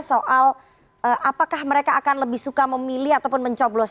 soal apakah mereka akan lebih suka memilih ataupun mencoblos